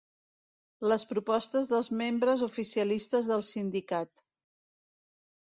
Les propostes dels membres oficialistes del sindicat.